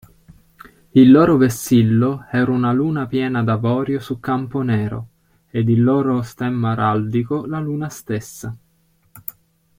Il loro vessillo era una luna piena d'avorio su campo nero, ed il loro stemma araldico la luna stessa.